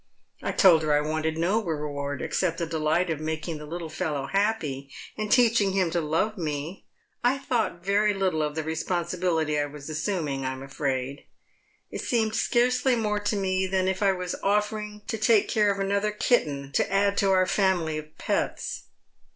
I told her I wanted no reward except the delight of making the little fellow happy, and teaching him to love me. I thought very little of the responsibility I was assum ing, I am afraid. It seemed scarcely more to me than if I was offering to take care of another kitten to add to our family of pets."